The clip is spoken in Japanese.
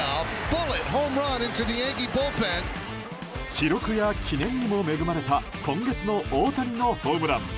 記録や記念にも恵まれた今月の大谷のホームラン。